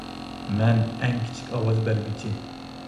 مەن ئەڭ كىچىك ئاۋاز بەرگۈچى